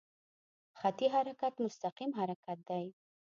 خطي حرکت مستقیم حرکت دی.